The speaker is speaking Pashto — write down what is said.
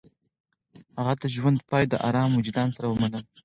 هغه د ژوند پاى د ارام وجدان سره ومنله.